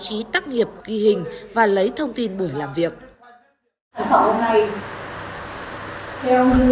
thì chúng ta sẽ hẹn gặp lại những cơ quan báo chí làm việc khác